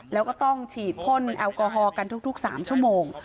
แล้วก็ต้องฉีดพ่นแอลกอฮอล์กันทุก๓ชั่วโมง